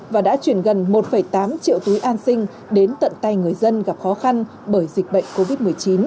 và đã chuyển gần một tám triệu túi an sinh đến tận tay người dân gặp khó khăn bởi dịch bệnh covid một mươi chín